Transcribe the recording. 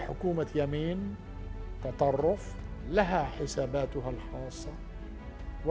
hukum yang benar yang terbatas yang memiliki hasil khasnya